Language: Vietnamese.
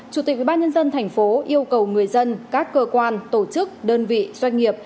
chủ tịch ubnd tp yêu cầu người dân các cơ quan tổ chức đơn vị doanh nghiệp